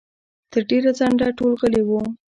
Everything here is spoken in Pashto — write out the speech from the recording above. تر ډېره ځنډه ټول غلي وو.